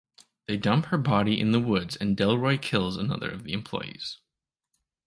They dump her body in the woods and Delroy kills another of the employees.